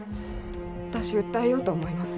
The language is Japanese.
私訴えようと思います